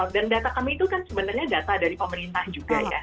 dan data kami itu kan sebenarnya data dari pemerintah juga ya